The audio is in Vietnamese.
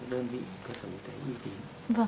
đơn vị cơ sở y tế uy tín